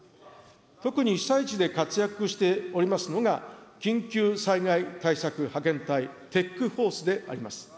特に被災地で活躍しておりますのが、緊急災害対策派遣隊、ＴＥＣーＦＯＲＣＥであります。